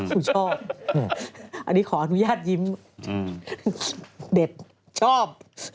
ชอบอันนี้ขออนุญาตยิ้มเด็กชอบ